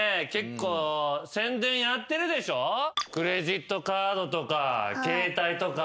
クレジットカードとか携帯とか。